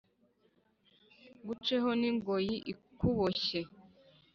nguceho n’ingoyi ikuboshye.